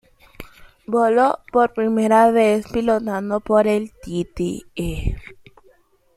Voló por primera vez pilotado por el Tte.